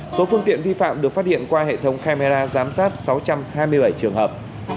số phương tiện vi phạm được phát hiện qua hệ thống camera giám sát sáu trăm hai mươi bảy trường hợp